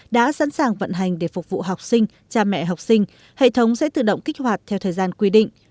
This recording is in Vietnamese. đã sẵn sàng vận hành để phục vụ học sinh cha mẹ học sinh hệ thống sẽ tự động kích hoạt theo thời gian quy định